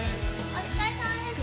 お疲れさまです。